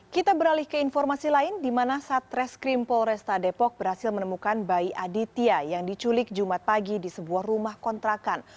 kita beralih ke informasi lain di mana satreskrim polresta depok berhasil menemukan bayi aditya yang diculik jumat pagi di sebuah rumah kontrakan